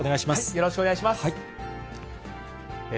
よろしくお願いします。